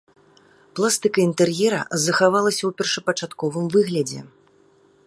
Пластыка інтэр'ера захавалася ў першапачатковым выглядзе.